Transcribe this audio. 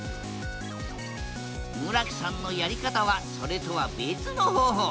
村木さんのやり方はそれとは別の方法。